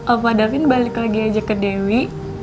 opa davin balik lagi aja ke dewi